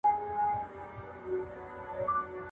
آیا ټولنیز واقعیت د تاریخي فرود په برخه کې زړه راښکون دی؟